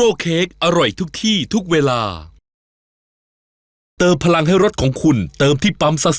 พวกเรา